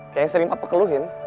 kayak yang sering papa keluhin